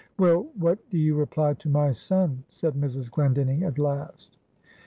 "Well, what do you reply to my son?" said Mrs. Glendinning at last.